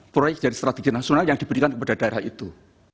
proyek dari strategi nasional yang diberikan kepada daerah itu